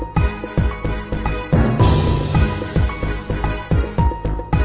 เป็นเรือน้ำ